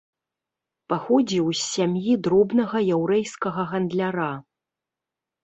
Паходзіў з сям'і дробнага яўрэйскага гандляра.